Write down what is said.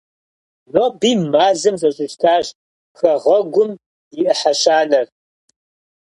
Ноби мэзым зэщӀищтащ хэгъэгум и ӏыхьэ щанэр.